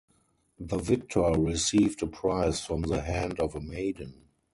The victor received a prize from the hand of a maiden.